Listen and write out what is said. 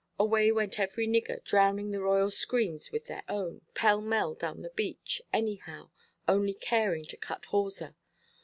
Away went every nigger, drowning the royal screams with their own, pell–mell down the beach, anyhow, only caring to cut hawser.